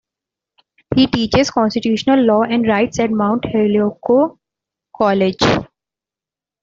He teaches constitutional law and rights at Mount Holyoke College.